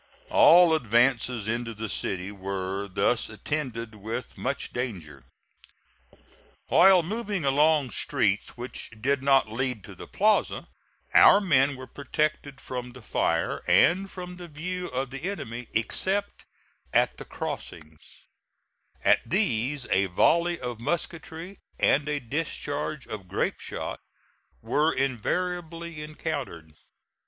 All advances into the city were thus attended with much danger. While moving along streets which did not lead to the plaza, our men were protected from the fire, and from the view, of the enemy except at the crossings; but at these a volley of musketry and a discharge of grape shot were invariably encountered.